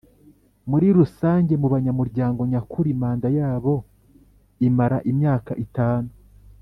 muri Rusange mu banyamuryango nyakuri Manda yabo imanra imyaka itanu